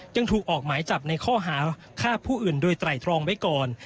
ยังถูกออกหมายจับในข้อหาฆ่าผู้อื่นโดยไตรตรองไว้ก่อน